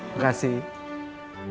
rasanya juga pasti enak